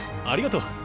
ありがとう。